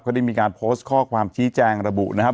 ได้มีการโพสต์ข้อความชี้แจงระบุนะครับ